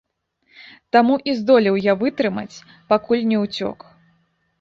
Таму і здолеў я вытрымаць, пакуль не ўцёк.